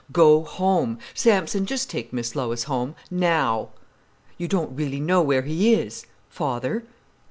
"Go home—Sampson, just take Miss Lois home—now!" "You don't really know where he is—father?"